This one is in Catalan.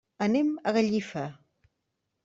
Anem a Gallifa.